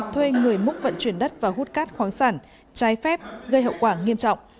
thuê người múc vận chuyển đất và hút cát khoáng sản trái phép gây hậu quả nghiêm trọng